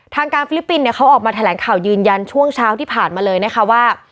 ทางการฟิลิปปินส์เนี่ยเขาออกมาแถลงข่าวยืนยันช่วงเช้าที่ผ่านมาเลยนะคะว่า